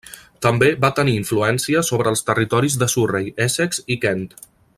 També va tenir influència sobre els territoris de Surrey, Essex i Kent.